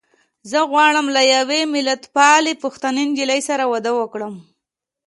زه غواړم له يوې ملتپالې پښتنې نجيلۍ سره واده کوم.